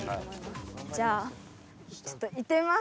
じゃあちょっといってみます。